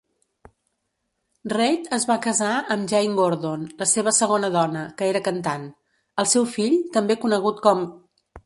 Reid es va casar amb Jane Gordon, la seva segona dona, que era cantant. El seu fill, també conegut com